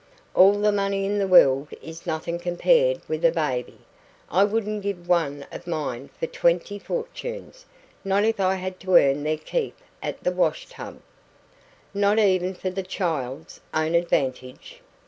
All the money in the world is nothing compared with a baby. I wouldn't give one of mine for twenty fortunes not if I had to earn their keep at the wash tub." "Not even for the child's own advantage?"